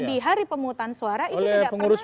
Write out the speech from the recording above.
di hari pemutan suara itu gak pernah